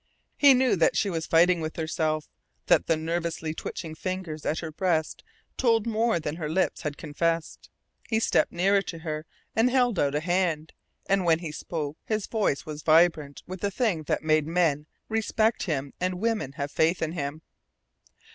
He knew that she was fighting with herself, that the nervously twitching fingers at her breast told more than her lips had confessed. He stepped nearer to her and held out a hand, and when he spoke his voice was vibrant with the thing that made men respect him and women have faith in him.